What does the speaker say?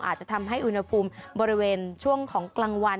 อาจจะทำให้อุณหภูมิบริเวณช่วงของกลางวัน